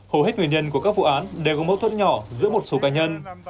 hầu hết nguyên nhân của các vụ án đều có mâu thuẫn nhỏ giữa một số cá nhân